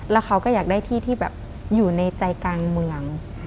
แล้วเขาก็อยากได้ที่ที่แบบอยู่ในใจกลางเมือง